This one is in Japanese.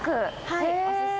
はい。